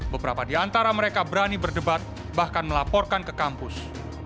beberapa di antara mereka berani berdebat bahkan melaporkan ke kampus